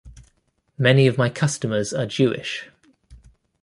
Many of my customers are Jewish.